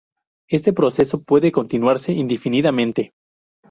Este proceso puede continuarse indefinidamente.